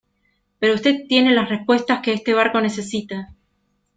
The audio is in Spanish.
pero usted tiene las respuestas que este barco necesita